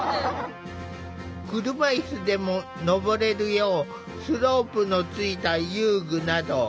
車いすでも上れるようスロープのついた遊具など。